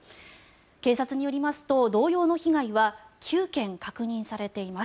警察によりますと、同様の被害は９件確認されています。